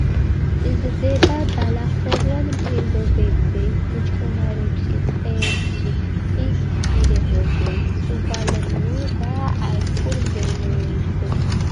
იზრდება ბალახოვან ფერდობებზე, ბუჩქნარებში, ტყეებში, ტყის პირებზე, სუბალპურ და ალპურ მდელოებზე.